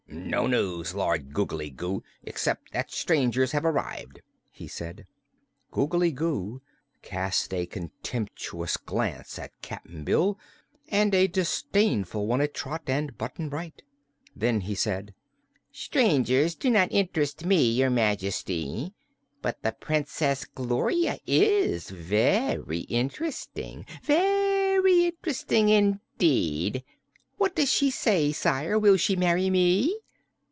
"No news, Lord Googly Goo, except that strangers have arrived," he said. Googly Goo cast a contemptuous glance at Cap'n Bill and a disdainful one at Trot and Button Bright. Then he said: "Strangers do not interest me, your Majesty. But the Princess Gloria is very interesting very interesting, indeed! What does she say, Sire? Will she marry me?"